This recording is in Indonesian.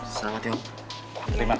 oh ini temen aku mah